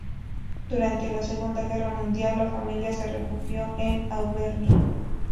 Durante la Segunda Guerra Mundial, la familia se refugió en Auvernia.